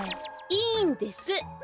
いいんです！